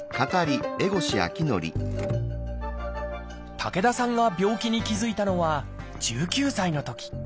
武田さんが病気に気付いたのは１９歳のとき。